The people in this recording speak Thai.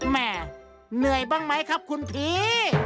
แม่เหนื่อยบ้างไหมครับคุณผี